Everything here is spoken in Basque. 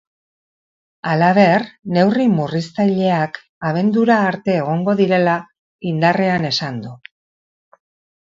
Halaber, neurri murriztaileak abendura arte egongo direla indarrean esan du.